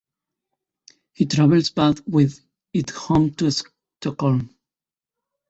He travels back with it home to Stockholm.